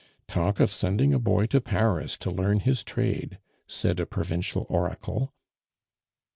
"Talk of sending a boy to Paris to learn his trade!" said a provincial oracle.